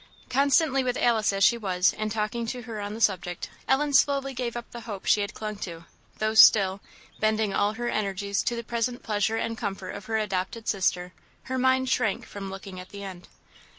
Constantly with Alice as she was, and talking to her on the subject, Ellen slowly gave up the hope she had clung to; though, still, bending all her energies to the present pleasure and comfort of her adopted sister, her mind shrank from looking at the end.